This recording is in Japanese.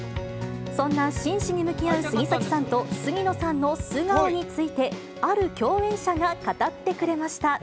そんな真摯に向き合う杉咲さんと杉野さんの素顔について、ある共演者が語ってくれました。